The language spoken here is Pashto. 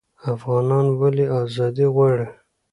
افغانان ولې ازادي غواړي؟